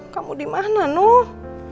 kamu dimana nuh